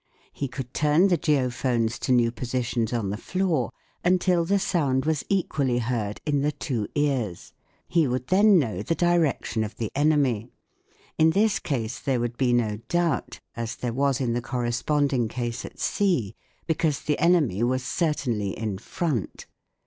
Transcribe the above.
He could turn the geophones to new positions on the floor until the sound was equally heard in the two ears. He would then know the direction of the enemy ; in this case there would be no doubt, as there was in the corresponding case at sea, because the enemy was certainly in front.